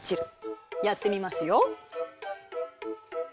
やってみますよ。